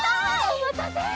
おまたせ！